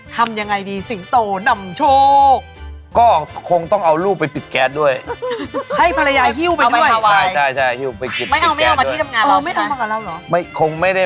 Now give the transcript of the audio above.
ทำยังไงดีสิงโตนำโชก